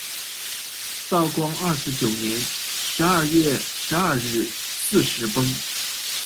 道光二十九年十二月十二日巳时崩。